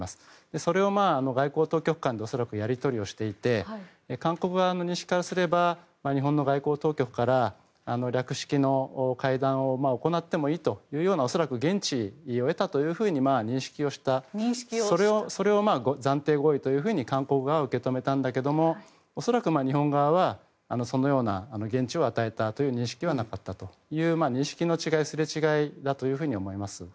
それを外交当局間で恐らくやり取りしていて韓国側の認識からすれば日本の外交当局から略式の会談を行ってもいいという恐らく言質を得たというふうに認識したそれを暫定合意と韓国側は受け止めたんだけども恐らく日本側はそのような言質を与えたという認識はなかったという認識の違い、すれ違いだと思われます。